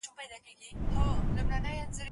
زه به اوږده موده پلان جوړ کړی وم؟